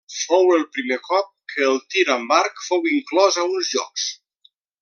Fou el primer cop que el tir amb arc fou inclòs a uns Jocs.